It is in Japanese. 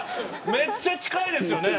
めっちゃ近いですよね。